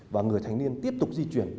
và người thanh niên tiếp tục di chuyển